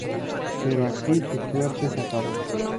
Pero aquí su suerte se acabó.